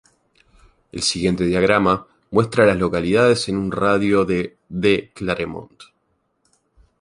El siguiente diagrama muestra a las localidades en un radio de de Claremont.